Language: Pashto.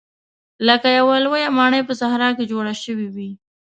لکه یوه لویه ماڼۍ په صحرا کې جوړه شوې وي.